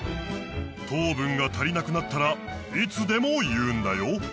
とうぶんがたりなくなったらいつでもいうんだよ。